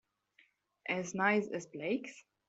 As nice as Blake's?